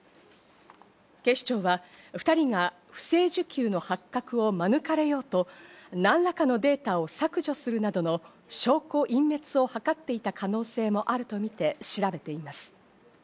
警視庁は２人が不正受給の発覚を免れようと何らかのデータを削除するなどの証拠隠滅を図っていた可能性もあるとみて調べています。